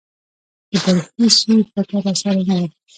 د بل هېڅ شي فکر را سره نه و.